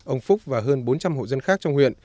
ông phúc và hơn bốn trăm linh hộ dân khác trong huyện